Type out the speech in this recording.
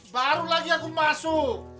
baru lagi aku masuk